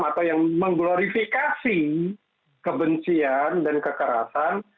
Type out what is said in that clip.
atau yang mengglorifikasi kebencian dan kekerasan